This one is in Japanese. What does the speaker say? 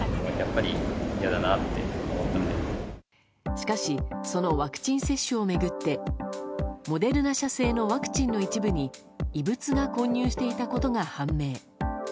しかしそのワクチン接種を巡ってモデルナ社製のワクチンの一部に異物が混入していたことが判明。